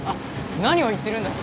何を言ってるんだ！